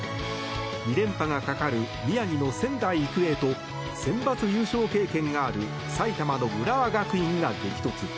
２連覇がかかる宮城の仙台育英とセンバツ優勝経験がある埼玉の浦和学院が激突。